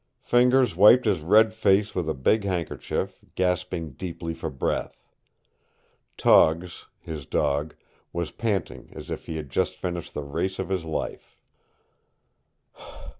Fingers wiped his red face with a big handkerchief, gasping deeply for breath. Togs, his dog, was panting as if he had just finished the race of his life.